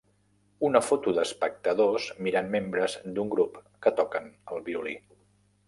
Una foto d'espectadors mirant membres d'un grup que toquen el violí.